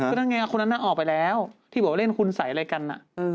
ก็นั่นไงคนนั้นน่ะออกไปแล้วที่บอกว่าเล่นคุณใส่อะไรกัน